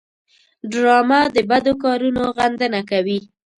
ډرامه د بدو کارونو غندنه کوي